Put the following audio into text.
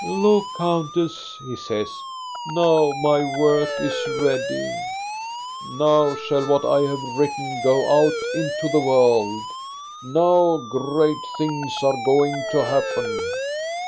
Look, countess," he says ;" now my work is ready. AMOR VINCIT OMNIA 399 Now shall what I have written go out into the world. Now great things are going to happen."